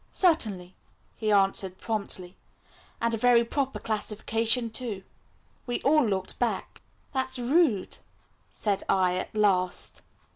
"Certainly," he answered promptly, "and a very proper classification, too." We all looked blank. "That's rude," said I at last.